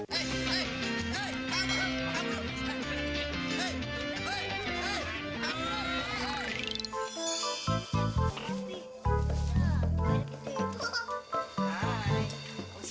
hah ngerti toh